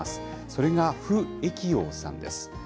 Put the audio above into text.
それが傅益瑤さんです。